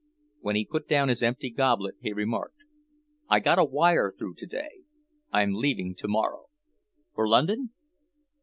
When he put down his empty goblet he remarked, "I got a wire through today; I'm leaving tomorrow." "For London?"